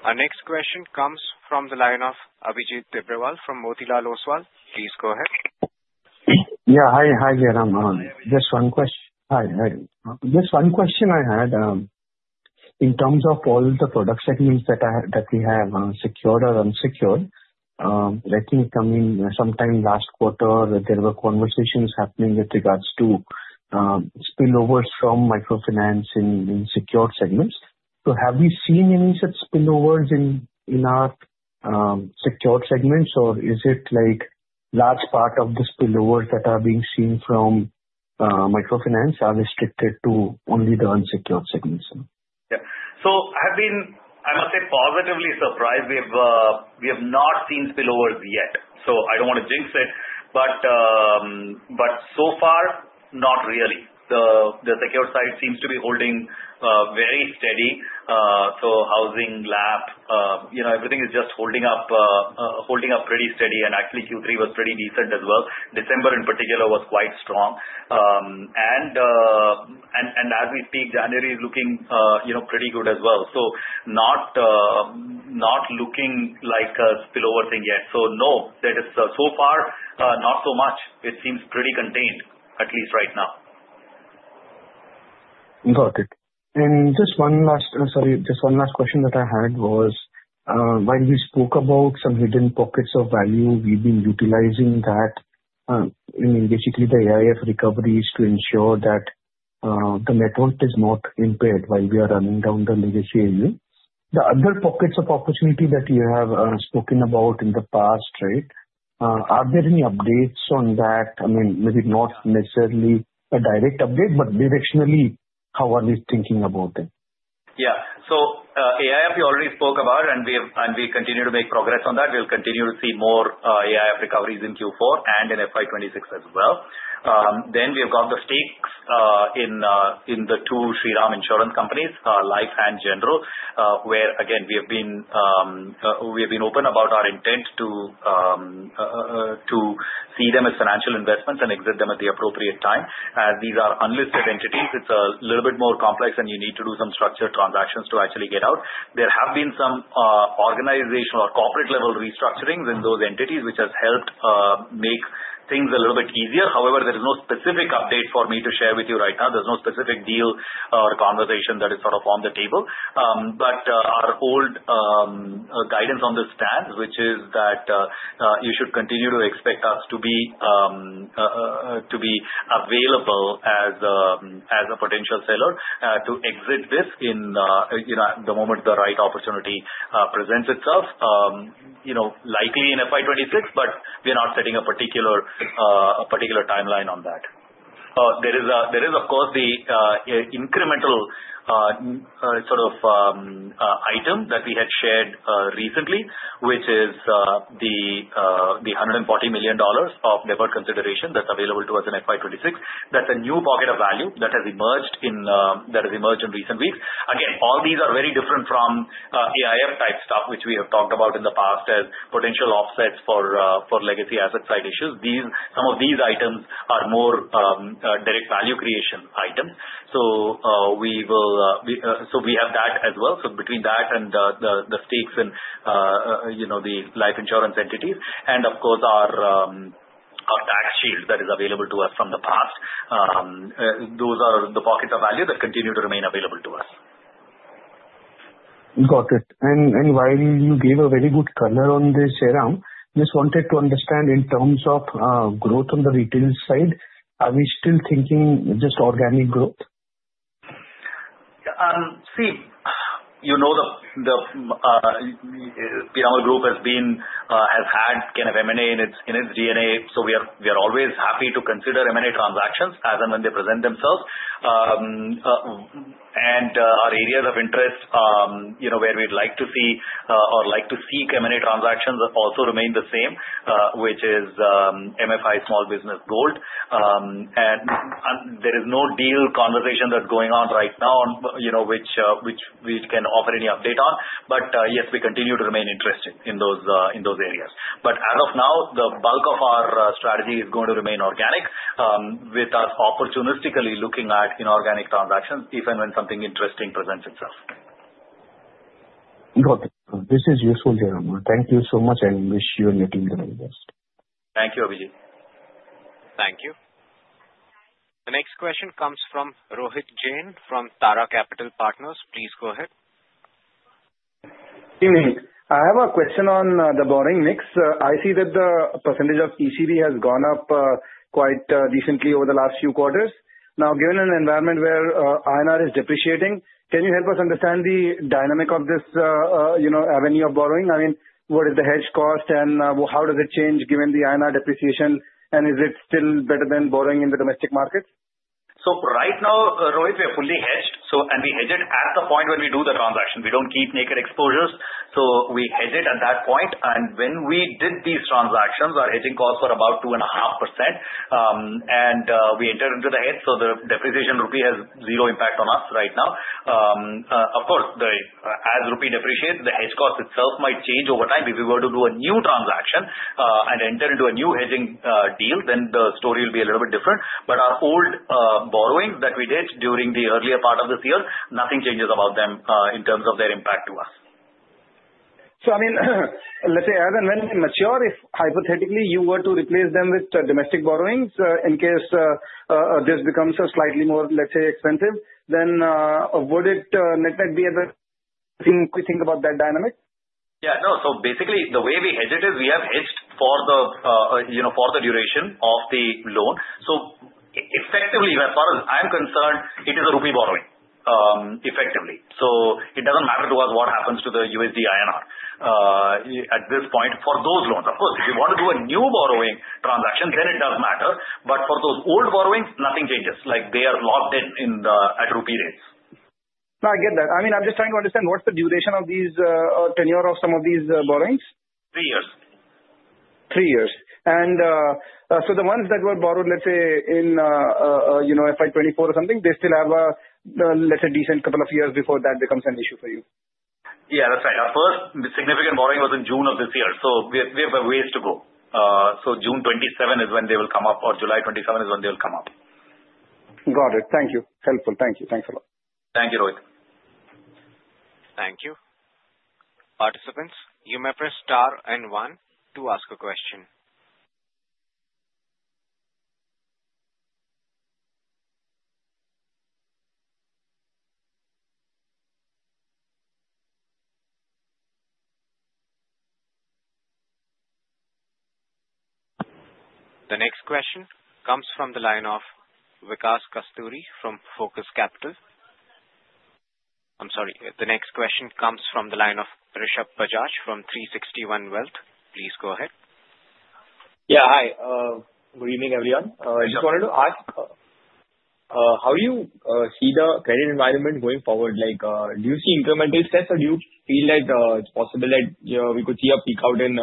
Speaker 1: Our next question comes from the line of Abhijit Tibrewal from Motilal Oswal. Please go ahead.
Speaker 8: Yeah. Hi. Hi there. Just one question I had. In terms of all the product segments that we have secured or unsecured, I think sometime last quarter, there were conversations happening with regards to spillovers from microfinance in secured segments. So have we seen any such spillovers in our secured segments, or is it like large part of the spillovers that are being seen from microfinance are restricted to only the unsecured segments?
Speaker 3: Yeah. So I have been, I must say, positively surprised. We have not seen spillovers yet. So I don't want to jinx it. But so far, not really. The secured side seems to be holding very steady. So housing, LAP, everything is just holding up pretty steady. And actually, Q3 was pretty decent as well. December in particular was quite strong. And as we speak, January is looking pretty good as well. So not looking like a spillover thing yet. So no, so far, not so much. It seems pretty contained, at least right now.
Speaker 8: Got it. And just one last sorry, just one last question that I had was, while we spoke about some hidden pockets of value, we've been utilizing that, I mean, basically the AIF recoveries to ensure that the net worth is not impaired while we are running down the legacy AUM. The other pockets of opportunity that you have spoken about in the past, right, are there any updates on that? I mean, maybe not necessarily a direct update, but directionally, how are we thinking about it?
Speaker 3: Yeah. So AIF, we already spoke about, and we continue to make progress on that. We'll continue to see more AIF recoveries in Q4 and in FY 2026 as well. Then we have got the stakes in the two Shriram insurance companies, Life and General, where, again, we have been open about our intent to see them as financial investments and exit them at the appropriate time. As these are unlisted entities, it's a little bit more complex, and you need to do some structured transactions to actually get out. There have been some organizational or corporate-level restructurings in those entities, which has helped make things a little bit easier. However, there is no specific update for me to share with you right now. There's no specific deal or conversation that is sort of on the table. But our old guidance on this stands, which is that you should continue to expect us to be available as a potential seller to exit this in the moment the right opportunity presents itself, likely in FY 2026, but we are not setting a particular timeline on that. There is, of course, the incremental sort of item that we had shared recently, which is the $140 million of deferred consideration that's available to us in FY 2026. That's a new pocket of value that has emerged in recent weeks. Again, all these are very different from AIF-type stuff, which we have talked about in the past as potential offsets for legacy asset-side issues. Some of these items are more direct value creation items. So we have that as well. So between that and the stakes in the life insurance entities and, of course, our tax shield that is available to us from the past, those are the pockets of value that continue to remain available to us.
Speaker 8: Got it. And while you gave a very good color on this, Jairam, just wanted to understand in terms of growth on the retail side, are we still thinking just organic growth?
Speaker 3: See, you know the Piramal Group has had kind of M&A in its DNA. So we are always happy to consider M&A transactions as and when they present themselves. And our areas of interest where we'd like to see or like to seek M&A transactions also remain the same, which is MFI small business gold. And there is no deal conversation that's going on right now, which we can offer any update on. But yes, we continue to remain interested in those areas. But as of now, the bulk of our strategy is going to remain organic with us opportunistically looking at inorganic transactions if and when something interesting presents itself.
Speaker 8: Got it. This is useful, Jairam. Thank you so much. I wish you and Nitin the very best.
Speaker 3: Thank you, Abhijit.
Speaker 1: Thank you. The next question comes from Rohit Jain from Tara Capital Partners. Please go ahead.
Speaker 9: Good evening. I have a question on the borrowing mix. I see that the percentage of ECB has gone up quite decently over the last few quarters. Now, given an environment where INR is depreciating, can you help us understand the dynamic of this avenue of borrowing? I mean, what is the hedge cost, and how does it change given the INR depreciation, and is it still better than borrowing in the domestic markets?
Speaker 3: Right now, Rohit, we are fully hedged. We hedge it at the point when we do the transaction. We don't keep naked exposures. We hedge it at that point. When we did these transactions, our hedging costs were about 2.5%. We entered into the hedge. The rupee depreciation has zero impact on us right now. Of course, as rupee depreciates, the hedge cost itself might change over time. If we were to do a new transaction and enter into a new hedging deal, then the story will be a little bit different. Our old borrowings that we did during the earlier part of this year, nothing changes about them in terms of their impact to us.
Speaker 9: So, I mean, let's say, as and when they mature, if hypothetically you were to replace them with domestic borrowings in case this becomes slightly more, let's say, expensive, then would it net be a thing we think about that dynamic?
Speaker 3: Yeah. No. So basically, the way we hedge it is we have hedged for the duration of the loan. So effectively, as far as I'm concerned, it is a rupee borrowing, effectively. So it doesn't matter to us what happens to the USD INR at this point for those loans. Of course, if you want to do a new borrowing transaction, then it does matter. But for those old borrowings, nothing changes. They are locked in at rupee rates.
Speaker 9: No, I get that. I mean, I'm just trying to understand what's the duration of these tenure of some of these borrowings?
Speaker 3: Three years.
Speaker 9: Three years. And so the ones that were borrowed, let's say, in FY 2024 or something, they still have a, let's say, decent couple of years before that becomes an issue for you.
Speaker 3: Yeah, that's right. Our first significant borrowing was in June of this year. So we have a ways to go. So June 27 is when they will come up, or July 27 is when they will come up.
Speaker 9: Got it. Thank you. Helpful. Thank you. Thanks a lot.
Speaker 3: Thank you, Rohit.
Speaker 1: Thank you. Participants, you may press star and one to ask a question. The next question comes from the line of Vikas Kasturi from Focus Capital. I'm sorry. The next question comes from the line of Rishabh Bajaj from 360 ONE Wealth. Please go ahead.
Speaker 10: Yeah. Hi. Good evening, everyone. I just wanted to ask, how do you see the credit environment going forward? Do you see incremental steps, or do you feel like it's possible that we could see a peak out in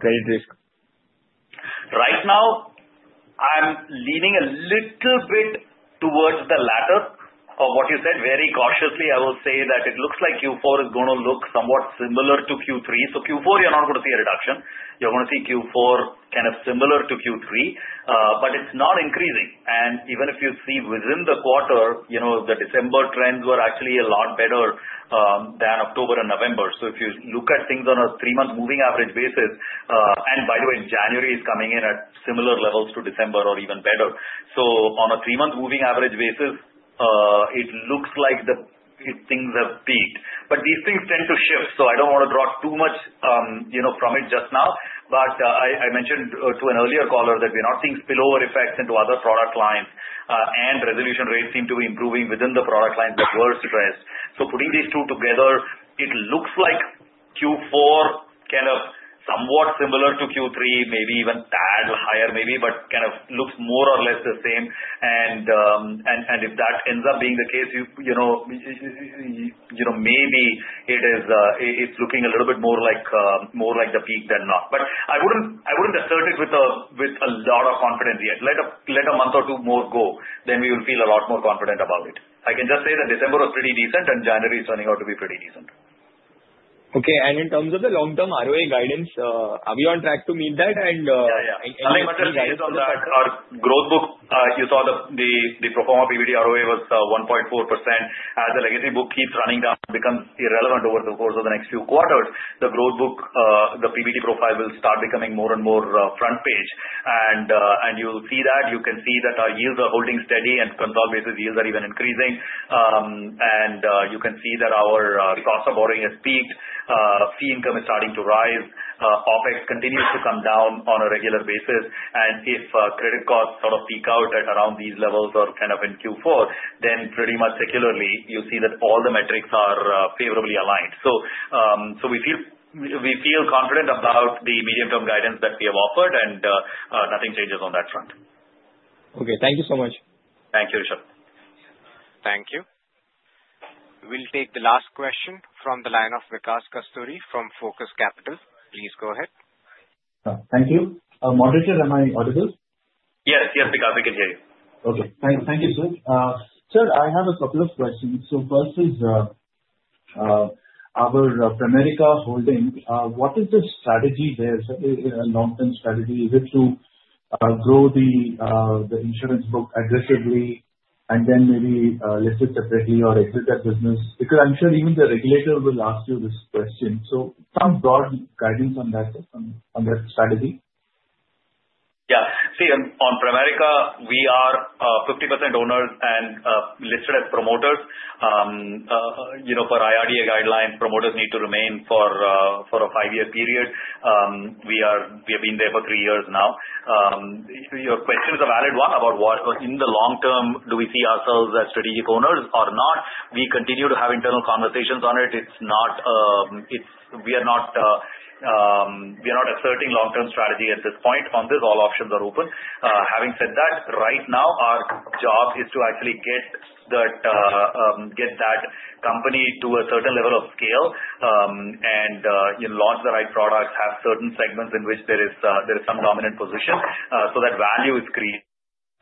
Speaker 10: credit risk?
Speaker 3: Right now, I'm leaning a little bit towards the latter of what you said. Very cautiously, I will say that it looks like Q4 is going to look somewhat similar to Q3. So Q4, you're not going to see a reduction. You're going to see Q4 kind of similar to Q3, but it's not increasing. And even if you see within the quarter, the December trends were actually a lot better than October and November. So if you look at things on a three-month moving average basis, and by the way, January is coming in at similar levels to December or even better. So on a three-month moving average basis, it looks like things have peaked. But these things tend to shift. So I don't want to draw too much from it just now. But I mentioned to an earlier caller that we're not seeing spillover effects into other product lines, and resolution rates seem to be improving within the product lines that were stressed. So putting these two together, it looks like Q4 kind of somewhat similar to Q3, maybe even that higher maybe, but kind of looks more or less the same. And if that ends up being the case, maybe it's looking a little bit more like the peak than not. But I wouldn't assert it with a lot of confidence yet. Let a month or two more go, then we will feel a lot more confident about it. I can just say that December was pretty decent, and January is turning out to be pretty decent.
Speaker 10: Okay. In terms of the long-term ROA guidance, are we on track to meet that? Anything else?
Speaker 3: Yeah. Yeah. I must say, guys, on that, our growth book, you saw the pro forma PBT ROA was 1.4%. As the legacy book keeps running down, it becomes irrelevant over the course of the next few quarters. The growth book, the PBT profile will start becoming more and more front page. And you'll see that. You can see that our yields are holding steady, and consolidated yields are even increasing. And you can see that our cost of borrowing has peaked. Fee income is starting to rise. OPEX continues to come down on a regular basis. And if credit costs sort of peak out at around these levels or kind of in Q4, then pretty much secularly, you'll see that all the metrics are favorably aligned. So we feel confident about the medium-term guidance that we have offered, and nothing changes on that front.
Speaker 10: Okay. Thank you so much.
Speaker 3: Thank you, Rishabh.
Speaker 1: Thank you. We'll take the last question from the line of Vikas Kasturi from Focus Capital. Please go ahead.
Speaker 11: Thank you. Moderator, am I audible?
Speaker 3: Yes. Yes, Vikas, we can hear you.
Speaker 11: Okay. Thank you, sir. Sir, I have a couple of questions. So first is our Pramerica holding, what is the strategy there? Is it a long-term strategy? Is it to grow the insurance book aggressively and then maybe list it separately or exit that business? Because I'm sure even the regulator will ask you this question. So some broad guidance on that strategy?
Speaker 3: Yeah. See, on Pramerica, we are 50% owners and listed as promoters. For IRDA guidelines, promoters need to remain for a five-year period. We have been there for three years now. Your question is a valid one about what in the long term do we see ourselves as strategic owners or not. We continue to have internal conversations on it. We are not asserting long-term strategy at this point on this. All options are open. Having said that, right now, our job is to actually get that company to a certain level of scale and launch the right products, have certain segments in which there is some dominant position so that value is created.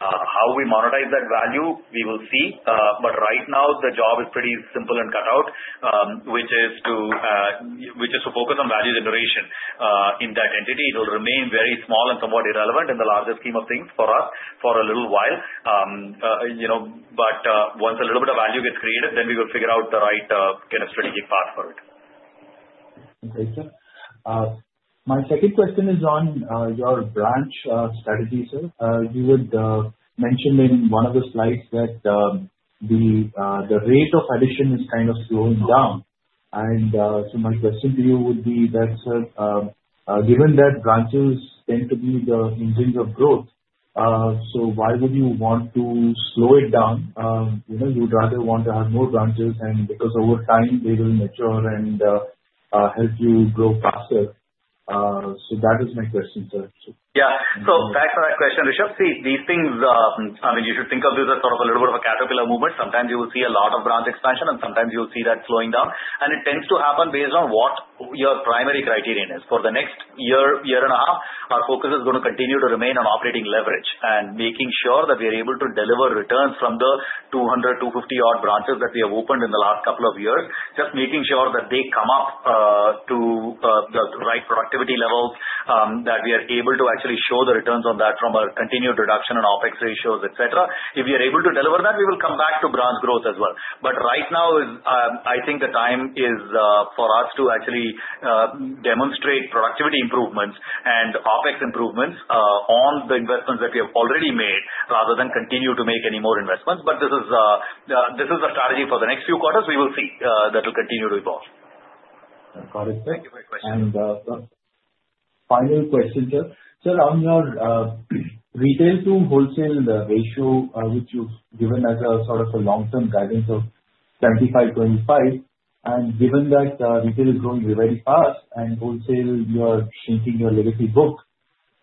Speaker 3: How we monetize that value, we will see. But right now, the job is pretty simple and cut out, which is to focus on value generation in that entity. It will remain very small and somewhat irrelevant in the larger scheme of things for us for a little while. But once a little bit of value gets created, then we will figure out the right kind of strategic path for it.
Speaker 11: Okay, sir. My second question is on your branch strategy, sir. You had mentioned in one of the slides that the rate of addition is kind of slowing down. And so my question to you would be that, sir, given that branches tend to be the engines of growth, so why would you want to slow it down? You would rather want to have more branches because over time, they will mature and help you grow faster. So that is my question, sir.
Speaker 3: Yeah. So back to that question, Rishabh, see, these things, I mean, you should think of this as sort of a little bit of a caterpillar movement. Sometimes you will see a lot of branch expansion, and sometimes you'll see that slowing down. It tends to happen based on what your primary criterion is. For the next year, year and a half, our focus is going to continue to remain on operating leverage and making sure that we are able to deliver returns from the 200, 250-odd branches that we have opened in the last couple of years, just making sure that they come up to the right productivity levels, that we are able to actually show the returns on that from our continued reduction and OPEX ratios, etc. If we are able to deliver that, we will come back to branch growth as well. Right now, I think the time is for us to actually demonstrate productivity improvements and OPEX improvements on the investments that we have already made rather than continue to make any more investments. This is the strategy for the next few quarters. We will see that it will continue to evolve.
Speaker 11: Got it, sir. Thank you for your question, and final question, sir. Sir, on your retail to wholesale ratio, which you've given as a sort of a long-term guidance of 75%-25%, and given that retail is growing very fast and wholesale, you're shrinking your legacy book,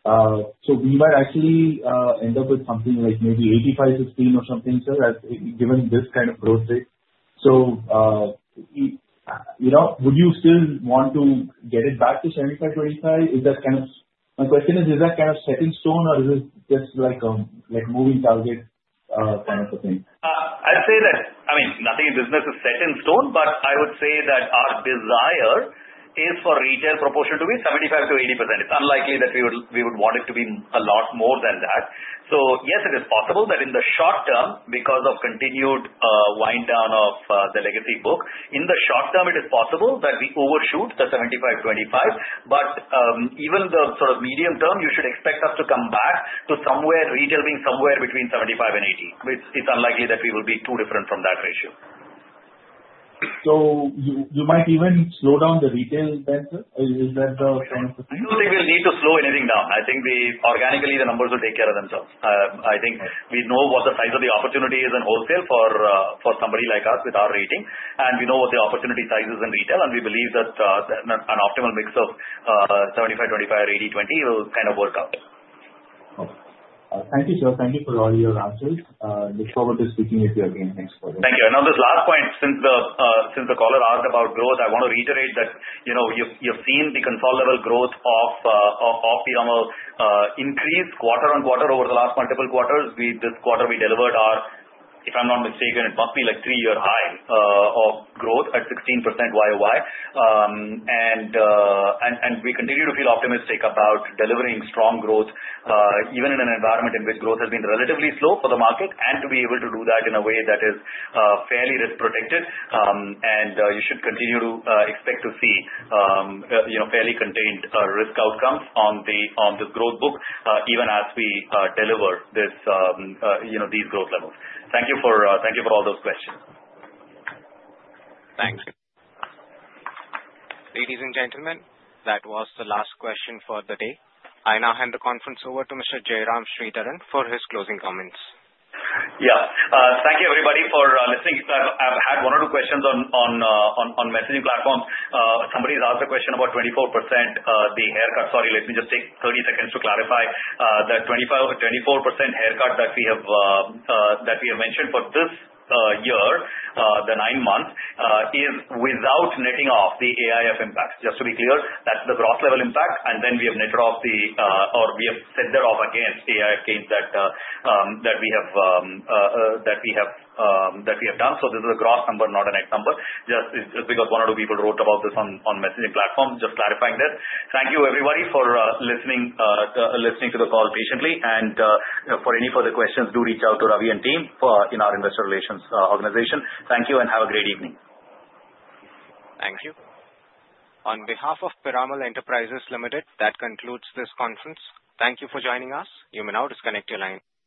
Speaker 11: so we might actually end up with something like maybe 85%-16% or something, sir, given this kind of growth rate, so would you still want to get it back to 75%-25%? Is that kind of my question is, is that kind of set in stone, or is it just like a moving target kind of a thing?
Speaker 3: I'd say that, I mean, nothing in business is set in stone, but I would say that our desire is for retail proportion to be 75%-80%. It's unlikely that we would want it to be a lot more than that, so yes, it is possible that in the short term, because of continued wind down of the legacy book, in the short term, it is possible that we overshoot the 75-25, but even the sort of medium term, you should expect us to come back to somewhere retail being somewhere between 75 and 80. It's unlikely that we will be too different from that ratio,
Speaker 11: So you might even slow down the retail then, sir? Is that the kind of thing?
Speaker 3: I don't think we'll need to slow anything down. I think organically, the numbers will take care of themselves. I think we know what the size of the opportunity is in wholesale for somebody like us with our rating, and we know what the opportunity size is in retail. And we believe that an optimal mix of 75:25 or 80: 20 will kind of work out.
Speaker 10: Thank you, sir. Thank you for all your answers. Look forward to speaking with you again. Thanks for your time.
Speaker 3: Thank you. And on this last point, since the caller asked about growth, I want to reiterate that you've seen the consolidated level growth of PEL increase quarter on quarter over the last multiple quarters. This quarter, we delivered our, if I'm not mistaken, it must be like three-year high of growth at 16% YoY. And we continue to feel optimistic about delivering strong growth, even in an environment in which growth has been relatively slow for the market, and to be able to do that in a way that is fairly risk protected. And you should continue to expect to see fairly contained risk outcomes on the growth book, even as we deliver these growth levels. Thank you for all those questions.
Speaker 1: Thanks. Ladies and gentlemen, that was the last question for the day. I now hand the conference over to Mr. Jairam Sridharan for his closing comments.
Speaker 3: Yeah. Thank you, everybody, for listening. I've had one or two questions on messaging platforms. Somebody has asked a question about 24%, the haircut. Sorry, let me just take 30 seconds to clarify. The 24% haircut that we have mentioned for this year, the nine months, is without netting off the AIF impact. Just to be clear, that's the gross level impact. And then we have netted off, or we have set that off against AIF gains that we have done. So this is a gross number, not an ex number, just because one or two people wrote about this on messaging platforms, just clarifying that. Thank you, everybody, for listening to the call patiently. And for any further questions, do reach out to Ravi and team in our investor relations organization. Thank you, and have a great evening.
Speaker 1: Thank you. On behalf of Piramal Enterprises Limited, that concludes this conference. Thank you for joining us. You may now disconnect your line.